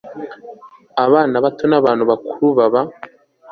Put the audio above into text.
abana bato n abantu bakuru baba